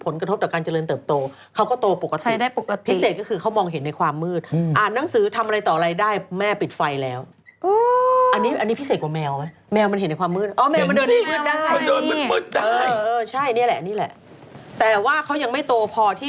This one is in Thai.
แล้วเล่นแต่ตาแบ๊วแต่ไม่ยอมถอดอยากใส่แล้วตาเป็นผี